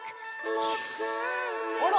あら！